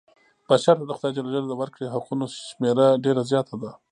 بشر ته د خدای ج د ورکړي حقونو شمېره ډېره زیاته ده.